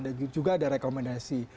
dan juga ada rekomendasi